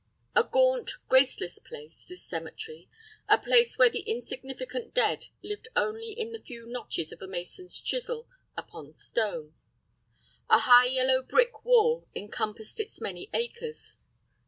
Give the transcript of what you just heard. A gaunt, graceless place, this cemetery, a place where the insignificant dead lived only in the few notches of a mason's chisel upon stone. A high yellow brick wall encompassed its many acres.